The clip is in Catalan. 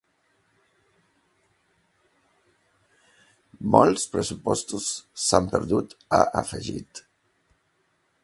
Molts pressupostos s’han perdut, ha afegit.